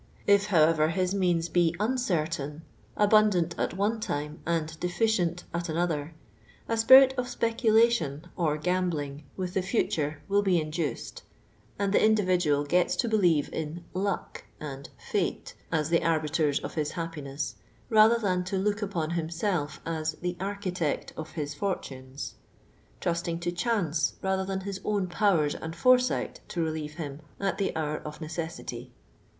If. however, his means be uncniiani — abundant at one time, and deficient at another — a spirit ot speculation or gambling with the future wili he induced, and the individual get to believe in " luck " and " fate " as the arbiters of his happiness rather than to look upon himself as " the architect of his fortunes" — trusting to "chance" rather than his own powers and foresight to relieve him n: tlin hour of neces sity.